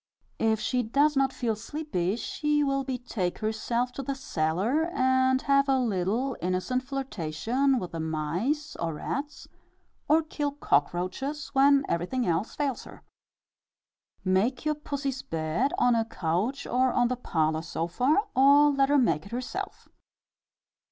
If she does not feel sleepy, she will betake herself to the cellar, and have a little innocent flirtation with the mice or rats, or kill cock roaches when everything else fails her. Make your pussy's bed on a couch or on the parlour sofa, or let her make it herself.